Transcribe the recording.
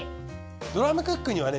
ドラムクックにはね